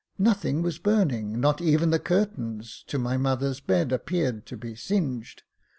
Nothing was burning — not even the curtains to my mother's bed appeared to be singed.